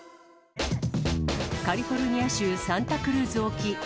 カリフォルニア州サンタクルーズ沖。